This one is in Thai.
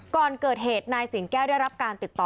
ก่อนเกิดเหตุนายสิงแก้วได้รับการติดต่อ